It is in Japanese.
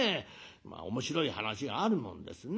面白い話があるもんですね。